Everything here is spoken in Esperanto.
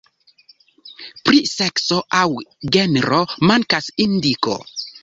Pri sekso aŭ genro mankas indiko.